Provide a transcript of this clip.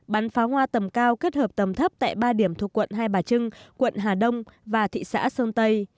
bắn pháo hoa tầm cao kết hợp tầm thấp tại ba điểm thuộc quận hai bà trưng quận hà đông và thị xã sơn tây